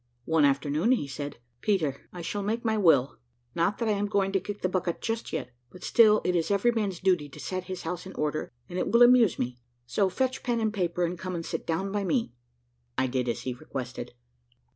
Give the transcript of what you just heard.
One afternoon he said, "Peter, I shall make my will, not that I am going to kick the bucket just yet; but still it is every man's duty to set his house in order, and it will amuse me: so fetch pen and paper, and come and sit down by me." I did as he requested.